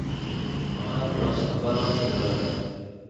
மகாத்மா சம்பரான் சென்றார்.